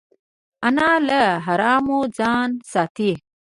انا له حرامو ځان ساتي